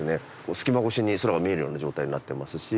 隙間越しに空が見えるような状態になってますし。